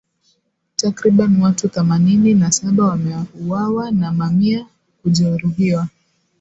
Takribani watu thamanini na saba wameuawa na mamia kujeruhiwa.